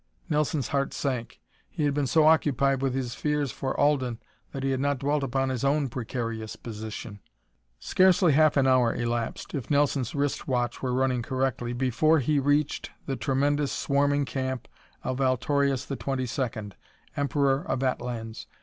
Nelson's heart sank. He had been so occupied with his fears for Alden that he had not dwelt upon his own precarious position. Scarcely half an hour elapsed, if Nelson's wrist watch were running correctly, before he reached the tremendous, swarming camp of Altorius XXII, Emperor of Atlans.